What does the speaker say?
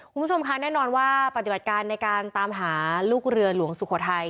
คุณผู้ชมค่ะแน่นอนว่าปฏิบัติการในการตามหาลูกเรือหลวงสุโขทัย